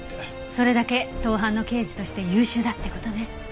それだけ盗犯の刑事として優秀だって事ね。